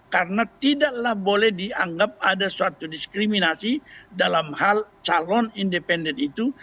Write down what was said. karena tidaklah boleh dianggap ada suatu diskriminasi dalam hal calon independen itu